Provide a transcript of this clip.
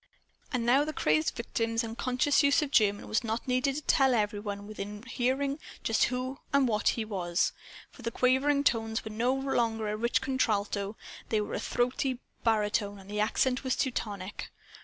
And now the crazed victim's unconscious use of German was not needed to tell every one within hearing just who and what he was. For the quavering tones were no longer a rich contralto. They were a throaty baritone. And the accent was Teutonic.